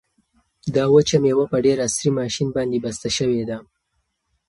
دا وچه مېوه په ډېر عصري ماشین باندې بسته شوې ده.